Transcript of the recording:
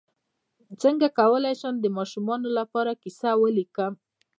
څنګه کولی شم د ماشومانو لپاره کیسه ولیکم